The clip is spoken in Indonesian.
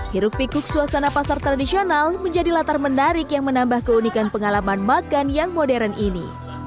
hiruk pikuk suasana pasar tradisional menjadi latar menarik yang menambah keunikan pengalaman makan yang modern ini